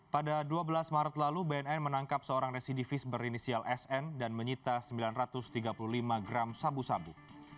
pada dua belas maret lalu bnn menangkap seorang residivis berinisial sn dan menyita sembilan ratus tiga puluh lima gram sabu sabu